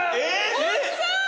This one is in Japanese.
えっ？